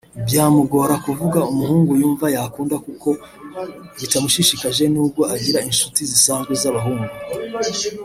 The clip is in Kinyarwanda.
Byamugora kuvuga umuhungu yumva yakunda kuko ngo bitamushishikaje n’ubwo agira inshuti zisanzwe z’abahungu